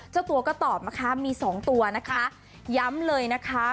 เจ้าตัวก็ตอบนะคะมีสองตัวนะคะย้ำเลยนะคะ